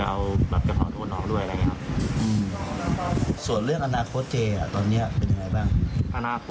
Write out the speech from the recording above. ส่วนเรื่องอนาโหก้สเจอ่ะตอนนี้เป็นยังไงบ้าง